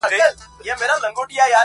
بیا یې مات سول تماشې ته ډېر وګړي!!